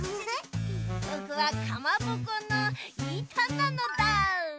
ぼくはかまぼこのいたなのだ。